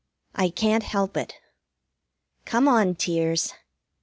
I can't help it. Come on, tears!